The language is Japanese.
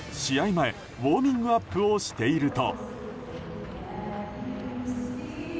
前ウォーミングアップをしていると。